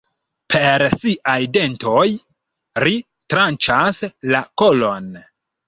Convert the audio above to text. Per siaj dentoj, ri tranĉas la kolon.